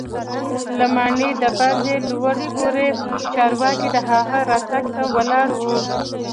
له ماڼۍ دباندې لوړ پوړي چارواکي د هغه راتګ ته ولاړ وو.